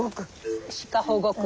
鹿保護区。